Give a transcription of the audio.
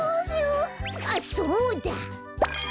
あっそうだ！